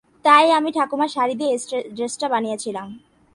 তাই আমি ঠাকুমার শাড়ি দিয়ে এই ড্রেসটা বানিয়েছিলাম।